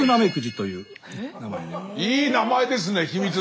いい名前ですねヒミツ